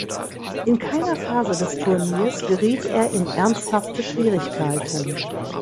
In keiner Phase des Turniers geriet er in ernsthafte Schwierigkeiten.